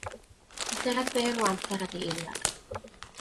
Mesuriad byr o amser ydy eiliad.